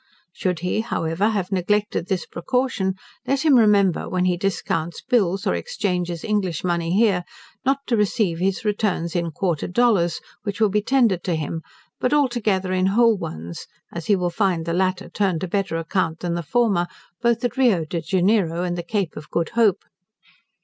Should he, however, have neglected this precaution, let him remember when he discounts bills, or exchanges English money here, not to receive his returns in quarter dollars, which will be tendered to him, but altogether in whole ones, as he will find the latter turn to better account than the former, both at Rio de Janeiro and the Cape of Good Hope.